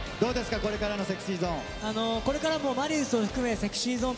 これからのＳｅｘｙＺｏｎｅ。